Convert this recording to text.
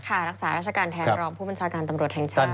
รักษาราชการแทนรองผู้บัญชาการตำรวจแห่งชาติ